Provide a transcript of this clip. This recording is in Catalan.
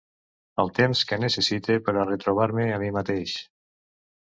El temps que necessite per a retrobar-me a mi mateix.